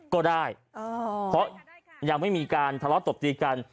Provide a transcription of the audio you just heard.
ก็ได้เพราะยังไม่มีการทะเลาะตบตีกัน